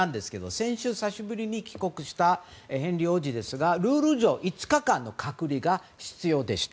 先週、久しぶりに帰国したヘンリー王子ですがルール上、５日間の隔離が必要でした。